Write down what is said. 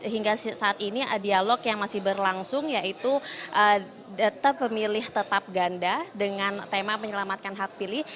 hingga saat ini dialog yang masih berlangsung yaitu data pemilih tetap ganda dengan tema menyelamatkan hak pilih